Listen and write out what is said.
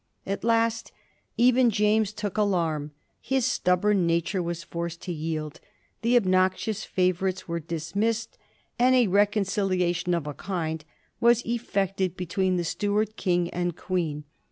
At last even James took alarm; his stubborn nature was forced to yield; the obnoxious favorites were dismissed, and a reconciliation of a kind was effected between the Stuart king and queen.